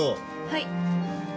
はい。